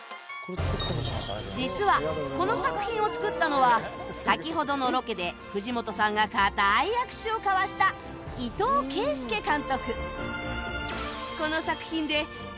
実はこの作品を作ったのは先ほどのロケで藤本さんが固い握手を交わした伊東ケイスケ監督